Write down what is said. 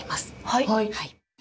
はい。